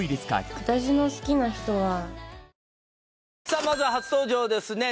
さあまずは初登場ですね